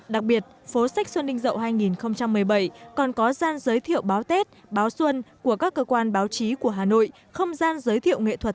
đặc biệt phố sách xuân ninh dậu hai nghìn một mươi bảy còn có gian giới thiệu báo tết báo xuân của các cơ quan báo chí của hà nội không gian giới thiệu nghệ thuật